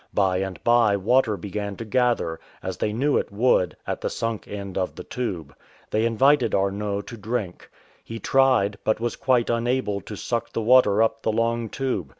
By and by water began to gather, as they knew it would, at the sunk end of the tube. They invited Arnot to drink. He tried, but was quite unable to suck the water up the long tube.